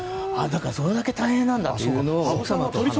それだけ大変なんだって。